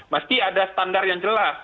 mesti ada standar yang jelas